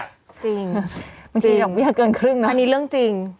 จริงบางทีดอกเบี้ยเกินครึ่งนะอันนี้เรื่องจริง